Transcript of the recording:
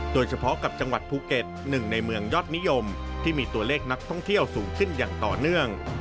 โดยเฉพาะกับจังหวัดภูเก็ตหนึ่งในเมืองยอดนิยมที่มีตัวเลขนักท่องเที่ยวสูงขึ้นอย่างต่อเนื่อง